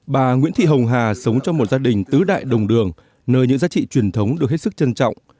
bà nguyễn thị hồng hà sống trong một gia đình tứ đại đồng đường nơi những giá trị truyền thống được hết sức trân trọng